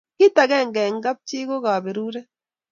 kit akenge eng kap chi ko kaberuret